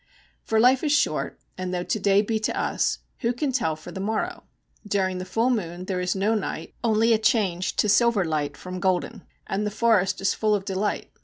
For life is short, and though to day be to us, who can tell for the morrow? During the full moon there is no night, only a change to silver light from golden; and the forest is full of delight.